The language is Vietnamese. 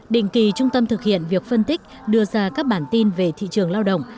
định kỳ trung tâm thực hiện việc phân tích đưa ra các bản tin về thị trường lao động